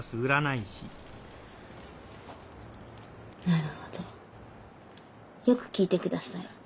なるほどよく聞いて下さい。